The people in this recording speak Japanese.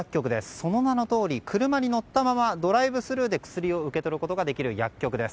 その名のとおり車に乗ったままドライブスルーで薬を受け取ることができる薬局です。